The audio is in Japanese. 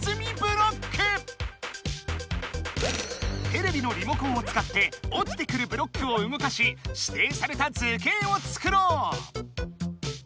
テレビのリモコンを使っておちてくるブロックをうごかししていされた図形を作ろう！